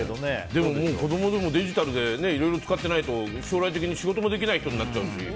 でも、子供でもデジタルでいろいろ使ってないと仕事もできない人になっちゃうし。